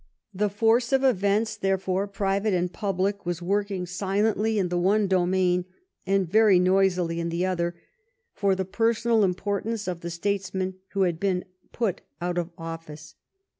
The force of events, therefore, private and public, was working silently in the one domain and very noisi ly in the other — for the personal importance of the statesman who had been put out of office.